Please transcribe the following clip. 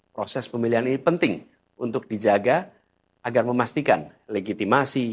proses pemilihan ini penting untuk dijaga agar memastikan legitimasi